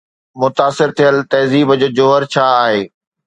متاثر ٿيل تهذيب جو جوهر ڇا آهي؟